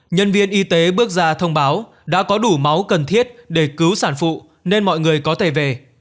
nhân viên y tế bước ra thông báo đã có đủ máu cần thiết để cứu sản phụ nên mọi người có thể về